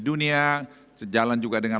dunia sejalan juga dengan